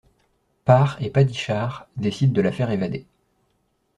Par et Padishar décident de la faire évader...